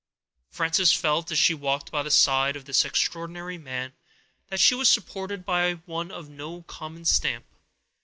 Frances felt, as she walked by the side of this extraordinary man, that she was supported by one of no common stamp.